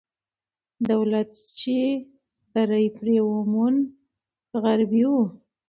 دولت چې بری پرې وموند، غربي وو.